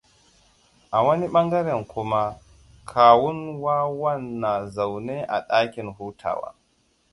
A wani ɓangaren kuma, kawun wawan na zaune a ɗakin hutawa.